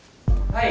はい。